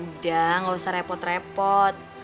udah gak usah repot repot